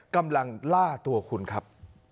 กำลังล่าตัวคุณครับ